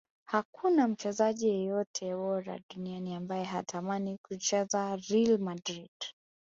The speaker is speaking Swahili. hakuna mchezaji yeyote bora duniani ambaye hatamani kucheza real madrid